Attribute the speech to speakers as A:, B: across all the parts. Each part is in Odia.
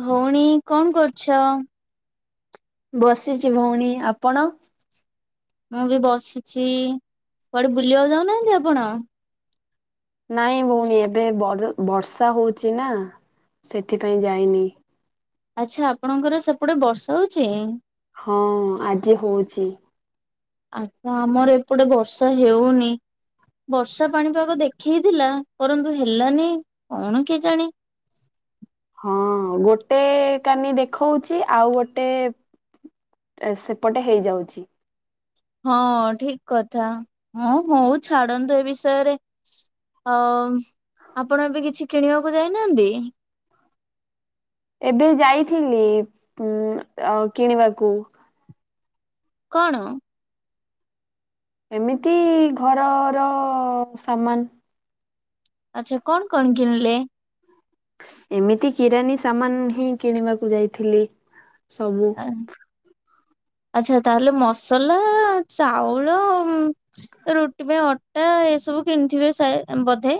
A: ଭଉଣୀ କଣ କରୁଛ?
B: ବସିଛି ଭଉଣୀ ଆପଣ?
A: ମୁଁ ବି ବସିଛି କୁଆଡେ ବୁଲିବାକୁ ଯାଉନାହାନ୍ତି ଆପଣ?
B: ନାଇଁ ଭଉଣୀ ଏବେ ବ ବର୍ଷା ହଉଛି ନା। ସେଥିପାଇଁ ଯାଇନି।
A: ଆଚ୍ଛା ଆପଣଙ୍କର ସେପଟେ ବର୍ଷା ହଉଛି କି?
B: ହଁ ଆଜି ହଉଛି।
A: ଆଚ୍ଛା ଆମର ଏପଟେ ବର୍ଷା ହେଉନି। ବର୍ଷା ପାଣିପାଗ ଦେଖେଇଥିଲା ପରନ୍ତୁ ହେଲାନି କଣ କେଜାଣି
B: ହଁ ଗୋଟେ କାନି ଦେଖଉଛି ଆଉ ଗୋଟେ ସେପଟେ ହେଇଯାଉଛି।
A: ହଁ ଠିକ କଥା ହଁ ହଉ ଛାଡନ୍ତୁ ଏ ବିଷୟରେ ଅ ଆପଣ ଏବେ କିଛି କିଣିବାକୁ ଯାଇନାହାନ୍ତି?
B: ଏବେ ଯାଇଥିଲି ଉ ଅ କିଣିବାକୁ।
A: କଣ?
B: ଏମିତି ଘରର ସାମାନ
A: ଆଚ୍ଛା କଣ କଣ କିଣିଲେ?
B: ଏମିତି କିରାନୀ ସାମାନ ହିଁ କିଣିବାକୁ ଯାଇଥିଲି। ସବୁ
A: ଆଚ୍ଛା ତାହେଲେ ମସଲା ଚାଉଳ ରୁଟି ପାଇଁ ଅଟା ଏସବୁ କିଣିଥିବେ ସାଏଦ୍ ବଧେ?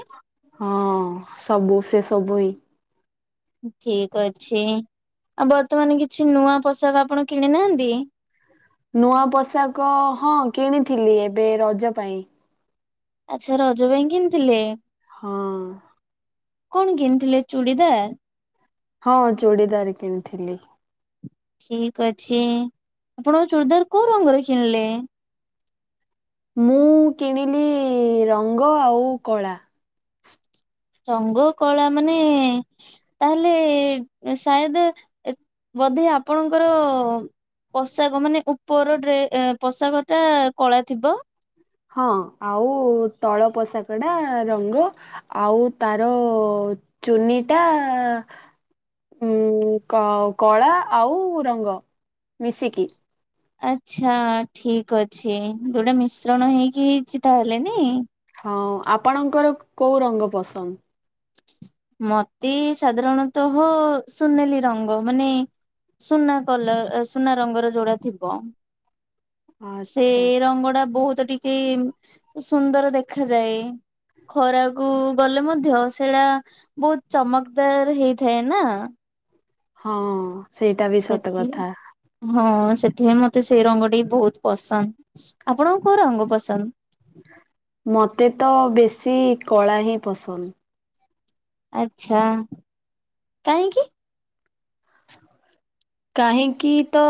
B: ହଁ ସବୁ ସେ ସବୁ ହ୍ନି।
A: ଠିକ ଅଛି। ଆଉ ବର୍ତ୍ତମାନ କିଛି ନୂଆ ପୋଷାକ ଆପଣ କିଣି ନାହାନ୍ତି?
B: ନୂଆ ପୋଷାକ ହଁ କିଣିଥିଲି ଏବେ ରଜ ପାଇଁ
A: ଆଚ୍ଛା ରଜ ପାଇଁ କିଣିଥିଲେ।
B: ହଁ।
A: କଣ କିଣିଥିଲେ ଚୂଡ଼ିଦାର?
B: ହଁ ଚୁଡ଼ିଦାରି କିଣିଥିଲି।
A: ଠିକ ଅଛି ଆପଣ ଚୁଡ଼ିଦାର କୋଉ ରଙ୍ଗର କିଣିଲେ?
B: ମୁଁ କିଣିଲି ରଙ୍ଗ ଆଉ କଳା।
A: ରଙ୍ଗ କଳା ମାନେ ତାହେଲେ ସାଏଦ ଏ ବୋଧେ ଆପଣଙ୍କର ପୋଷାକ ମାନେ ଉପର ଡ୍ରେ ପୋଷାକ ଟା କଳା ଥିବ।
B: ହଁ ଆଉ ତଳ ପୋଷାକ ଟା ରଙ୍ଗ ଆଉ ତାର ଚୁନିଟା ଉଁ କଳା ଆଉ ରଙ୍ଗ ମିଶିକି
A: ଆଛା ଠିକ ଅଛି ଗୋଟେ ମିଶ୍ରଣ ହେଇକି ହେଇଛି ତାହେଲେ ନାଇଁ
B: ହଁ ଆପଣଙ୍କର କୋଉ ରଙ୍ଗ ପସନ୍ଦ?
A: ମତେ ସାଧାରଣତଃ ହ ସୁନେଲି ରଙ୍ଗ ମାନେ ସୁନା କଲର ସୁନା ରଙ୍ଗର ଯୋଡା ଥିବ। ସେ
B: ଆଚ୍ଛା
A: ରଙ୍ଗ ଟା ବହୁତ ତ ଟିକେ ସୁନ୍ଦର ଦେଖାଯାଏ ଖରାକୁ ଗଲେ ମଧ୍ୟ ସେଇଟା ବହୁତ ଚମକଦାର ହେଇଥାଏ ନାଁ।
B: ହଁ। ସେଇଟା ବି ସତ
A: ସେଠି
B: କଥା
A: ହଁ। ସେଥିପାଇଁ ମତେ ସେଇ ରଙ୍ଗଟି ବହୁତ ପସନ୍ଦ ଆପଣଙ୍କ କୋଉ ରଙ୍ଗ ପସନ୍ଦ?
B: ମୋତେ ତ ବେଶୀ କଳା ହିଁ ପସନ୍ଦ।
A: ଆଛା କାହିଁକି? । [unintelligible]
B: କାହିଁକି ତ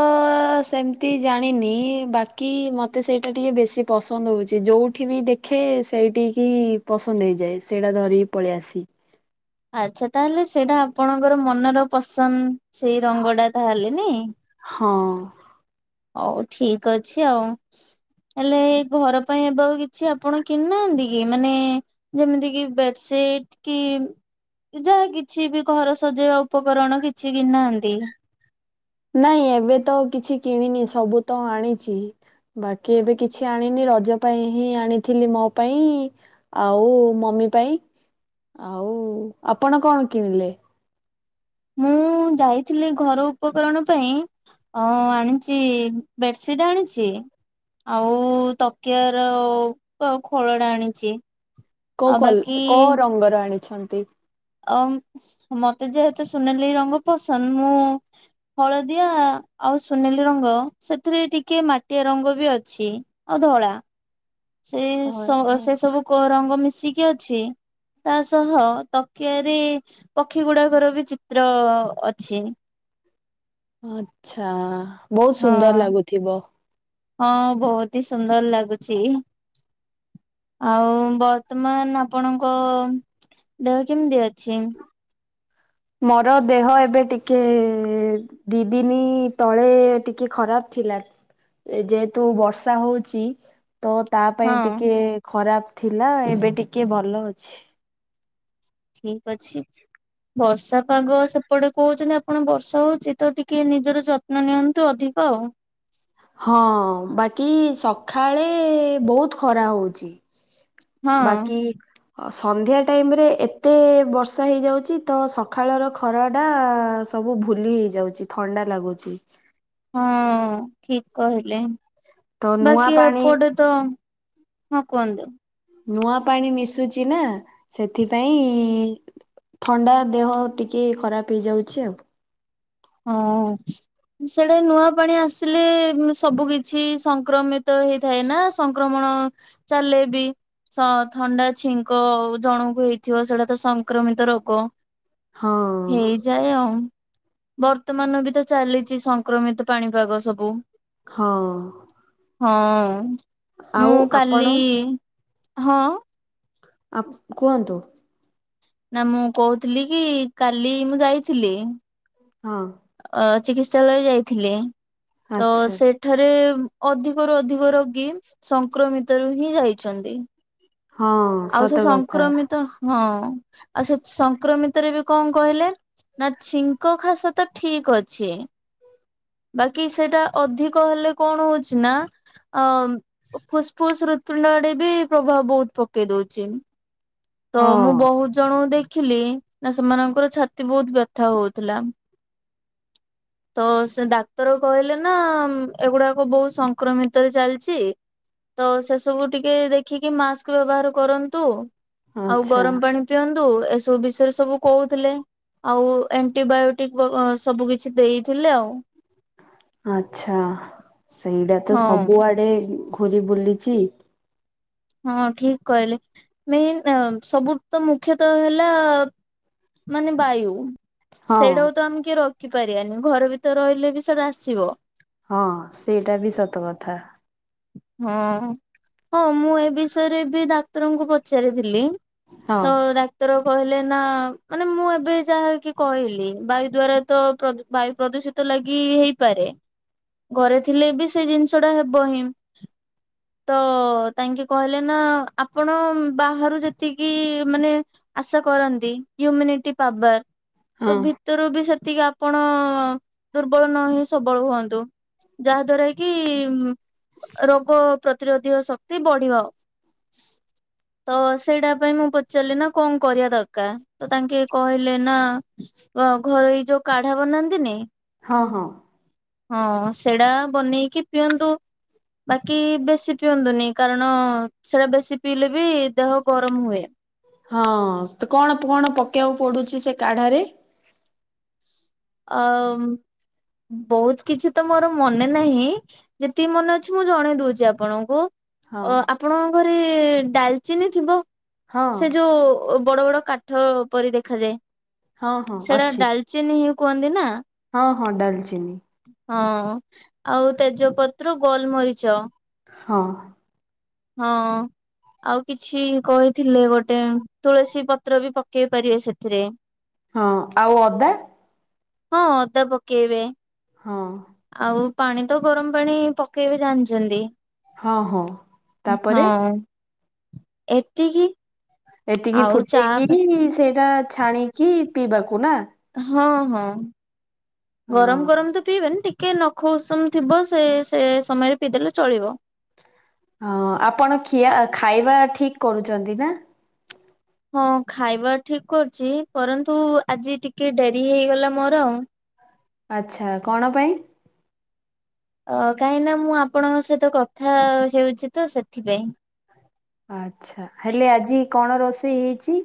B: ସେମିତି ଜାଣିନି ବାକି ମତେ ସେଇଟା ଟିକେ ବେ ବେଶୀ ପସନ୍ଦ ହଉଛି ଯଉଠି ବି ଦେଖେ ସେଇଠିକି ପସନ୍ଦ ହେଇଯାଏ ସେଇଟା ଧରିିକି ପଳେଇ ଆସେ ଛି
A: ଆଚ୍ଛା ତାହେଲେ ସେଇଟା ଆପଣଙ୍କର ମନର ପସନ୍ଦ। ସେଇ ରଙ୍ଗ ଟା ତାହଲେ ନାଇଁ?
B: ହଁ।
A: ହଉ ଠିକ ଅଛି ଆଉ ହେଲେ ଘର ପାଇଁ ଏବା ଆଉ କିଛି ଆପଣ କିଣିନାହାନ୍ତି କି ମାନେ ଯେମିତି କି ବେଡସି ଏ -ଟି -କି ଯାହା କିଛି ବି ଘର ସଜେଇବା ଉପକରଣ କିଛି କିଣିନାହାନ୍ତି?
B: ନାଇଁ ଏବେ ତ କିଛି କିଣିନି ସବୁ ତ ଆଣିଛି। ବାକି ଏବେ କିଛି ଆଣିନି ରଜ ପାଇଁ ହିଁ ଆଣିଥିଲି ମୋ ପାଇଁ ଆଉ ମମି ପାଇଁ ଆଉ ଆପଣ କଣ କିଣିଲେ?
A: ମୁଁ ଯାଇଥିଲି ଘର ଉପକରଣ ପାଇଁ ଆଣିଛି ବେଡସିଟ ଟାଣିଛି ଆଉ ତକିଆ ର ଆଉ ଖୋଳ ଟା ଆଣିଛି।
B: କୋ
A: ଆଉ
B: କୋ
A: ବାକି
B: କୋଉ ରଙ୍ଗର ଆଣିଛନ୍ତି?
A: ଅ ମତେ ଯେହେତୁ ସୁନେଲି ରଙ୍ଗ ପସନ୍ଦ ମୁଁ ହଳଦିଆ ଆଉ ସୁନେଲ ରଙ୍ଗ ସେଥିରେ ଟିକେ ମାଟିଆ ରଙ୍ଗ ବି ଅଛି ଆଉ ଧଳା। ସେଇ
B: ଅ- ଅ-
A: ସେ ସବୁ ରଙ୍ଗ ମିଶିକି ଅଛି। ତା ସହ ତକିଆରେ ପକ୍ଷୀ ଗୁଡାକର ବି ଚିତ୍ର ଅଛି।
B: ଆଛା ବହୁତ
A: ହଁ
B: ସୁନ୍ଦର ଲାଗୁଥିବ।
A: ହଁ ବହୁତ ହି ସୁନ୍ଦର ଲାଗୁଛି। ଆଉ ବର୍ତ୍ତମାନ ଆପଣଙ୍କ ଦେହ କେମିତି ଅଛି?
B: ମୋର ଦେହ ଏବେ ଟିକେ ଦି ଦିନ ତଳେ ଟିକେ ଖରାପ ଥିଲା ଯେହେତୁ ବର୍ଷା ହଉଛି। ତ ତା ପାଇଁ
A: ହଁ
B: ଟିକେ ଖରାପ ଥିଲା ଏବେ ଟିକେ ଭଲ ଅଛି।
A: ଠିକ ଅଛି। ବର୍ଷା ପାଗ ସେପଟେ କହୁଛନ୍ତି ଆପଣ ବର୍ଷା ହଉଛି ତ ଟିକେ ନିଜର ଯତ୍ନ ନିଅନ୍ତୁ ଅଧିକ ଧିକ
B: ହଁ ବାକି ସକାଳେ ବହୁତ ଖରା ହଉଚି।
A: ହଁ।
B: ସନ୍ଧ୍ୟା ଟାଇମ୍ ରେ ଏତେ ବର୍ଷା ହେଇଯାଉଚି ତ ସକାଳର ଖରାଟା ସ ବୁ ଭୁଲି ହେଇଯାଉଚି ଥଣ୍ଡା ଲାଗୁଚି।
A: ହଁ ଠିକ କହିଲେ।
B: ତ ନୂଆ
A: ବାକି ଏ
B: ପାଣି
A: ପଟେ ତ ହଁ କୁହନ୍ତୁ।
B: ନୂଆ ପାଣି ମିଶୁଚି ନା ସେଥିପାଇଁ ଥଣ୍ଡା ଦେହ ଟିକେ ଖରାପ ହେଇଯାଉଛି ଆଉ।
A: ହଁ ସେଟା ନୂଆ ପାଣି ଆସିଲେ ସବୁ କିଛି ସଂକ୍ରମି ତ ହେଇଥାଏ ନା ସଂକ୍ରମଣ ଚାଲେ ବି ସ ଥଣ୍ଡା ଛିଙ୍କ ଜଣଙ୍କୁ ହେଇଥିବ ସେଇଟା ତ ସଂକ୍ରମିତ ରୋଗ।
B: ଆଉ
A: ହେଇଯାଏ ଆଉ। ବର୍ତ୍ତମାନ ବି ତ ଚାଲିଛି ସଂକ୍ରମିତ ପାଣିପାଗ ସବୁ।
B: ହଁ।
A: ହଁ ମୁଁ
B: ଆଉ
A: କାଲି
B: ଆପଣ
A: ହଁ।
B: ଆ କୁହନ୍ତୁ।
A: ନା ମୁଁ କହୁଥିଲି କି କାଲି ମୁଁ ଯାଇଥିଲି।
B: ହଁ।
A: ଅ ଚିକିତ୍ସାଳୟ ଯାଇଥିଲେ ତ
B: ଆଚ୍ଛା
A: ସେଠାରେ ଅଧିକରୁ ଅଧିକ ରୋଗୀ ସଂକ୍ରମିତ ରୁ ହିଁ ଯାଇଛନ୍ତି।
B: ହଁ
A: ଆଉ ସେ
B: ସତ କଥା
A: ସଂକ୍ରମିତ ହଁ ଆଉ ସେ ସଂକ୍ରମିତରେ ବି କଣ କହିଲେ ନା ଛିଙ୍କ ଖାସ ତ ଠିକ ଅଛି। ବାକି ସେଟା ଅଧିକ ହେଲେ କଣ ହଉଚି ନା ଆଁ ଫୁସ୍ଫୁସ୍ ହୃତପିଣ୍ଡ ଆଡେ ବି ପ୍ରଭାବ ବହୁତ ପ କେଇଦଉଚି ତ
B: ହଁ
A: ମୁଁ ବହୁତ ଜଣଙ୍କୁ ଦେ ଖିଲି ନା ସେମାନଙ୍କର ଛାତି ବହୁତ ବ୍ୟଥା ହଉଥିଲା। ତ ସେ ଡାକ୍ତର କହିଲେ ନା ଏଗୁଡାକ ବହୁତ ସଂକ୍ରମିତରେ ଚାଲିଚି। ତ ସେସବୁ ଟିକେ ଦେଖିକି ମାସ୍କ ବ୍ୟବହାର କରନ୍ତୁ। ଆଉ
B: ଆଚ୍ଛା
A: ଗରମ ପାଣି ପିଅନ୍ତୁ ଏସବୁ ବିଷୟରେ ସବୁ କଉଥୁଲେ। ଆଉ ଏଣ୍ଟିବାୟୋଟିକ ବ-ସବୁ କିଛି ଦେଇଥିଲେ ଆଉ।
B: ଆଛା ସେଇଟା ତ
A: ହଁ।
B: ସବୁଆଡେ ଘୁରି ବୁଲିଚି।
A: ହଁ ଠିକ୍ କହିଲେ ମେନ୍ ସବୁ ତ ମୁଖ୍ୟତଃ ହେଲା ମାନେ ବାୟୁ
B: ହଁ
A: ସେଇଟାକୁ ତ ଆମେ କିଏ ରକିପାରିବାନି ଘର ଭିତରେ ରହିଲେ ବି ସେଇଟା ଆସିବ।
B: ହଁ ସେଇଟା ବି ସତ କଥା।
A: ହଁ ହଁ ମୁଁ ଏ ବିଷୟରେ ବି ଡାକ୍ତରଙ୍କୁ ପଚାରିଥିଲି।
B: ହଁ
A: ତ ଡାକ୍ତର କହିଲେ ନା ମାନେ ମୁଁ ଏବେ ଯାହାକି କହିଲି ବାୟୁ ଦ୍ଵାରା ତ ପ୍ର-ବାୟୁ ପ୍ରଦୂଷିତ ଲାଗି ହେଇପାରେ ଘରେ ଥିଲେ ବି ସେଇ ଜିନିଷ ଟା ହେବ ହିଁ। ତ ତାଙ୍କେ କହିଲେ ନା ଆପଣ ବାହାରୁ ଯେତିକି ମାନେ ଆଶା କରନ୍ତି ଇଉମିନିଟି ପାବାର
B: ହଁ
A: ତ ଭିତରୁ ବି ସେ ତିକି ଆପଣ ଦୁର୍ବଳ ନ ହେଇ ସବଳ ହୁଅନ୍ତୁ। ଯାହା ଦ୍ଵାରା କି ରୋଗ ପ୍ରତିରୋଧୀକ ଶକ୍ତି ବଢିବ। ତ ସେଇଟା ପାଇଁ ମୁଁ ପଚାରିଲି ନା କଣ କରିବା ଦରକାର ତ ତାଙ୍କେ କହିଲେ ନା ଘ-ଘରୋଇ ଯୋଉ କାଢା ବନାନ୍ତିନି
B: ହଁ ହଁ।
A: ହଁ ସେଇଟା ବନେଇକି ପିଅନ୍ତୁ। ବାକି ବେଶୀ ପିଅନ୍ତୁନି କାରଣ ସେଟା ବେଶୀ ପିଇଲେ ବି ଦେହ ଗରମ ହୁଏ।
B: ହଁ ସେତ କଣ କଣ ପକେଇବାକୁ ପଡୁଚି ସେ କାଢାରେ?
A: ଆ ବହୁତ କିଛି ତ ମୋର ମନେ ନାହିଁ ଯେତିକି ମନେ ଅଛି ମୁଁ ଜଣେଇ ଦଉଛି ଆପଣଙ୍କୁ।
B: ହଁ
A: ଅ ଆପଣଙ୍କ ଘରେ ଡାଲଚିନି ଥିବ
B: ହଁ
A: ସେ ଯୋଉ ବଡ ବଡ କାଠ ପରି ଦେଖାଯାଏ।
B: ହଁ ହଁ
A: ସେଟା
B: ଅଛି
A: ଡାଲଚିନି ହିଁ କୁହନ୍ତି ନା।
B: ହଁ ହଁ ଡାଲଚିନି।
A: ହଁ ଆଉ ତେଜପତ୍ର ଗୋଲମରିଚ।
B: ହଁ।
A: ହଁ। ଆଉ କିଛି କହିଥିଲେ ଗୋଟେ ତୁଳସୀ ପତ୍ର ବି ପକେଇ ପାରିବେ ସେଥିରେ।
B: ହଁ ଆଉ ଅଦା।
A: ହଁ ଅଦା ପକେଇବେ।
B: ହଁ।
A: ଆଉ ପାଣି ତ ଗରମ ପାଣି ପକେଇ ବେ ଜାଣିଛନ୍ତି।
B: ହଁ ହଁ। ତାପରେ
A: ହଁ ଏତିକି।
B: ଏତିକି
A: ଆଉ ଚା
B: ଫୁଟେଇକିରି ସେଇଟା ଛାଣୀ କି ପିଇବାକୁ ନାଁ।
A: ହଁ ହଁ
B: ହଁ
A: ଗରମ ଗରମ ତ ପିଇବେନି ଟି - କି ନଖ ଉଷୁମ ଥିବ ସେ ସେ ସେ ସମୟରେ ପିଇଦେଲେ ଚଳିବ।
B: ହଁ ଆପଣ ଖିଆ ଖାଇବା ଠିକ୍ କରୁଛନ୍ତି ନାଁ?
A: ହଁ ଖାଇବା ଠିକ କରୁଛି ପରନ୍ତୁ ଆଜି ଟିକେ ଡେରି ହେଇଗଲା ମୋର ଆଉ।
B: ଆଛା କଣ ପାଇଁ?
A: ଅ କାହିଁକି ନା ମୁଁ ଆପଣଙ୍କ ସହିତ କଥା ହୋଉଚି ତ ସେଥିପାଇଁ।
B: ଆଚ୍ଛା ହେଲେ ଆଜି କଣ ରୋଷେଇ ହେଇଚି?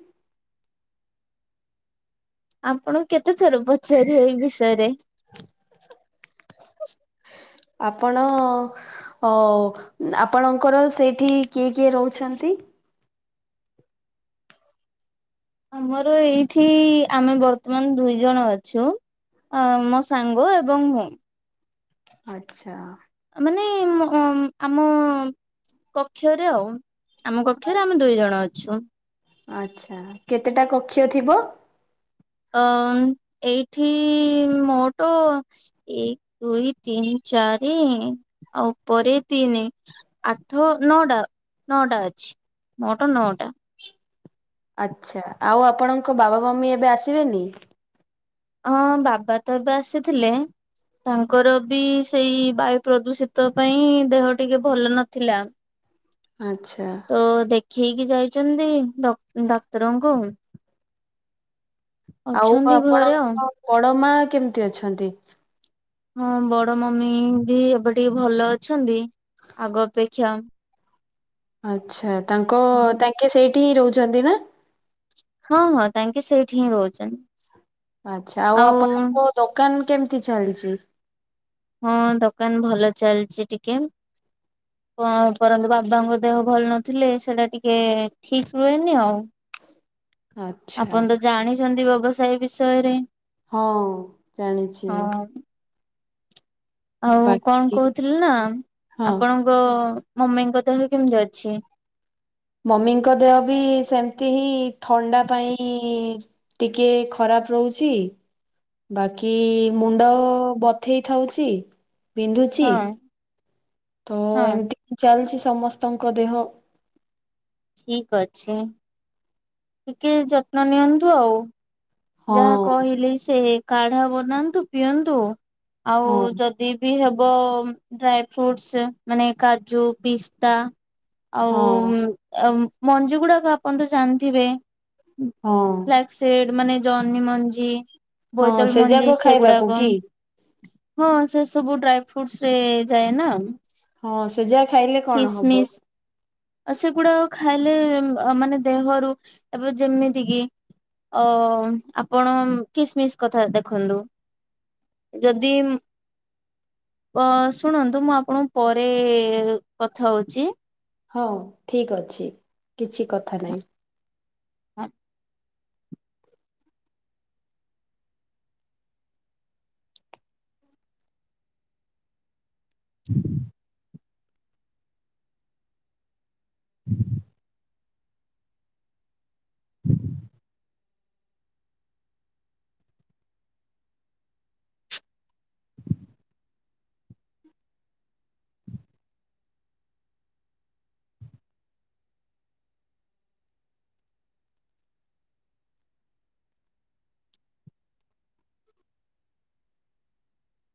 A: ଆପଣ କେତେ ଥର ପଚାରିବେ ଏଇ ବିଷୟରେ?
B: ଆପଣ ଅ ଆପଣଙ୍କର ସେଇଠି କିଏ କିଏ ରହୁଛନ୍ତି?
A: ଆମର ଏଇଠି ଆମେ ବର୍ତ୍ତମାନ ଦୁଇ ଜଣ ଅଛୁ। ଅ ମୋ ସାଙ୍ଗ ଏବଂ ମୁଁ।
B: ଆଚ୍ଛା।
A: ମାନେ ମ ଅ ଆମ କକ୍ଷରେ ଆଉ। ଆମ କକ୍ଷରେ ଆମେ ଦୁଇ ଜଣ ଅଛୁ।
B: ଆଛା କେତେଟା କକ୍ଷ ଥିବ?
A: ଅଁ ଏଇଠି ମୋଟ ଏକ ଦୁଇ ତିନି ଚାରି ଆଉ ଉପରେ ତିନି ଆଠ ନଅଟା ନଅଟା ଅଛି ମୋଟ୍ ନଅ ଟା।
B: ଆଚ୍ଛା ଆଉ ଆପଣଙ୍କ ବାବା, ମମି ଏବେ ଆସିବେନି?
A: ହଁ ବାବା ତ ଏବେ ଆସିଥିଲେ ତାଙ୍କର ବି ସେଇ ବାୟୁ ପ୍ରଦୂଷିତ ପାଇଁ ଦେହ ଟିକେ ଭଲ ନଥିଲା।
B: ଆଚ୍ଛା।
A: କି ଯାଇଛନ୍ତି ଡା ଡାକ୍ଟର ଙ୍କୁ।
B: ଆଉ
A: ଆଉ।
B: ଆପଣଙ୍କ ବଡ ମା କେମିତି ଅଛନ୍ତି?
A: ହଁ ବଡ ମମି ବି ଏବେ ଟିକେ ଭଲ ଅଛନ୍ତି ଆଗ ଅପେକ୍ଷା
B: ଆଚ୍ଛା ତାଙ୍କ ତାଙ୍କେ ସେଇଠି ରୋହୁଚନ୍ତି ନାଁ?
A: ହଁ ହଁ ତାଙ୍କେ ସେଇଠି ହିଁ ରହୁଚନ୍ତି।
B: ଆଚ୍ଛା ଆଉ ଆପଣଙ୍କ ଦୋକାନ କେମିତି ଚାଲିଚି?
A: ହଁ ଦୋକାନ ଭଲ ଚାଲିଚି ଟିକେ କଣ ପରନ୍ତୁ ବାବାଙ୍କ ଦେହ ଭଲ ନଥିଲେ ସେଟା ଟିକେ ଠିକ୍ ରୁହେନି ଆଉ।
B: ଆଚ୍ଛା
A: ଆପଣ ତ ଜାଣିଛନ୍ତି ବ୍ୟବସାୟ ବିଷୟରେ।
B: ହଁ ଜାଣିଚି।
A: ହଁ। ଆଉ କଣ କହୁଥିଲି ନା
B: ହଁ।
A: ଆପଣଙ୍କ ମମି ଙ୍କ ଦେହ କେମିତି ଅଛି?
B: ମମିଙ୍କ ଦେହ ବି ସେମିତି ହିଁ ଥଣ୍ଡା ପାଇଁ ଟିକେ ଖରାପ ଖରା ରହୁଛି ବାକି ମୁଣ୍ଡ ବଥେଇ ଥାଉଛି ବିନ୍ଧୁଛି
A: ହଁ
B: ତ
A: ହଁ
B: ଏମିତି ଚାଲିଛି ସମସ୍ତଙ୍କ ଦେହ
A: ଠିକ୍ ଅଛି। ଟିକେ ଯତ୍ନ ନିଅନ୍ତୁ ଆଉ
B: ହଁ
A: ଯାହା କହିଲି ସେ କାଢା ବନାନ୍ତୁ ପିଅନ୍ତୁ ଆଉ
B: ହଁ
A: ଯଦି ବି ହେବ ବ ଡ୍ରାଇ ଫ୍ରୁଟଶୁ ମାନେ କାଜୁ, ପିସ୍ତା
B: ହଁ
A: ଆଉ ମଞ୍ଜିଗୁଡାକ ଆପଣ ତ ଜାଣିଥିବେ
B: ହଁ।
A: ବ୍ଲାକ ସିଡ୍ ମାନେ ଜହନି ମଞ୍ଜି।
B: ହଁ
A: ବୋଇତାଳୁ ମଞ୍ଜି
B: ସେଯାକ ଖାଇବାକୁ
A: ସେଗୁଡ଼ାକ।
B: କି
A: ହଁ ସେ ସବୁ ଡ୍ରାଇ ଫ୍ରୁଟସ ରେ ଯାଏ ନା।
B: ହଁ ସେଜା ଖାଇଲେ କଣ ହବ?
A: କିସମିସ ଆଉ ସେଗୁଡା ଖାଇଲେ ମାନେ ଦେହରୁ ଏବେ ଯେମିତି କିି ଅ ଆପଣ କିସ୍ମିସ୍ କଥା ଦେଖନ୍ତୁ। ଯଦି। ଅ ଶୁଣନ୍ତୁ ମୁଁ ଆପଣଙ୍କୁ ପରେ କଥା ହଉଛି।
B: ହଉ ଠିକ ଅଛି କିଛି କଥା ନାଇଁ।
A: ହଁ ଅ